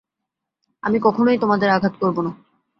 আমি কখনোই তোমাদের আঘাত করব না।